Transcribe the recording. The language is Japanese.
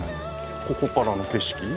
ここからの景色。